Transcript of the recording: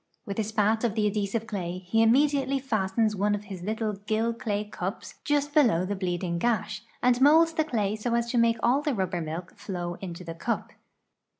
With a spat of the adhesive clay he immediately fastens one of his little gill clay cups just below the bleeding gash, and molds the clay so as to make all the rubber milk flow into the cup.